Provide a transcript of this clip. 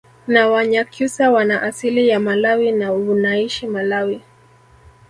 ya wanyakyusa wana asili ya malawi na wnaishi malawi